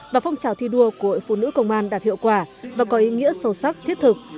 và phong trào thi đua của hội phụ nữ công an đạt hiệu quả và có ý nghĩa sâu sắc thiết thực